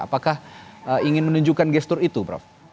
apakah ingin menunjukkan gestur itu prof